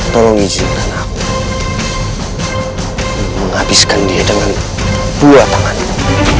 tolong izinkan aku menghabiskan dia dengan buah tangannya